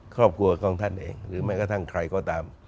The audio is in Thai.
ครอบครัวของท่านเองหรือแม้กระทั่งใครก็ตาม